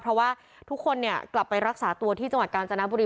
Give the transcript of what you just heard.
เพราะว่าทุกคนเนี่ยกลับไปรักษาตัวที่จังหวัดกาญจนบุรี